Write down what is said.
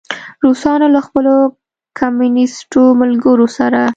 روسانو له خپلو کمونیسټو ملګرو سره.